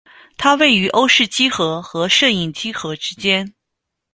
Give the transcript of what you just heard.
它位于欧氏几何和射影几何之间。